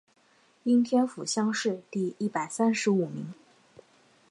应天府乡试第一百三十五名。